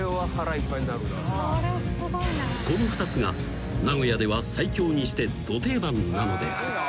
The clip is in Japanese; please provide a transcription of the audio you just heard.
［この２つが名古屋では最強にしてど定番なのである］